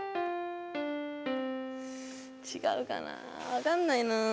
違うかな分かんないな。